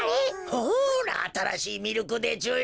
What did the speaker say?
ほらあたらしいミルクでちゅよ。